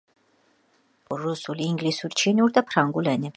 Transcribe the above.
ფლობს ყაზახურ, რუსულ, ინგლისურ, ჩინურ და ფრანგულ ენებს.